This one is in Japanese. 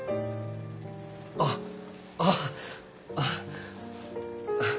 あっああ。